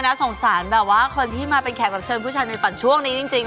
น่าสงสารแบบว่าคนที่มาเป็นแขกรับเชิญผู้ชายในฝันช่วงนี้จริง